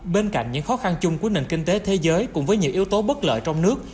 bên cạnh những khó khăn chung của nền kinh tế thế giới cùng với nhiều yếu tố bất lợi trong nước